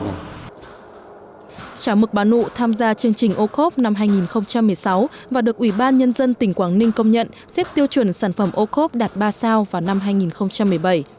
chả mực bán nụ tham gia chương trình ocope năm hai nghìn một mươi sáu và được ủy ban nhân dân tỉnh quảng ninh công nhận xếp tiêu chuẩn sản phẩm ocope đạt ba sao vào năm hai nghìn một mươi bảy